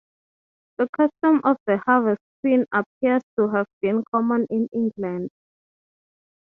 The custom of the Harvest Queen appears to have been common in England.